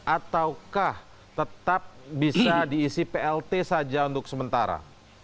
ataukah tetap bisa diisi plt saja untuk sementara